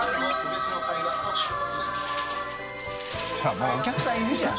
もうお客さんいるじゃん。